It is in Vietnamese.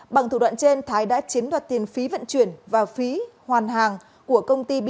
bằng thủ đoạn trên thái đã chiếm đoạt tiền phí vận chuyển và phí hoàn hàng của công ty bea